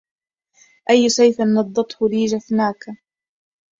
أي سيف نضته لي جفناكا